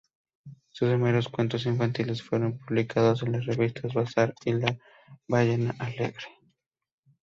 Sus primeros cuentos infantiles fueron publicados en las revistas "Bazar" y "La Ballena Alegre".